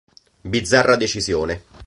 Bizzarra decisione.